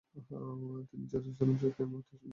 তিনি জেরুসালেমের গ্র্যান্ড মুফতি হিসেবে নিয়োগ পান।